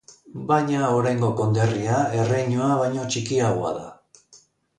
Baina oraingo konderria erreinua baino txikiagoa da.